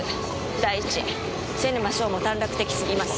第一瀬沼翔も短絡的すぎます。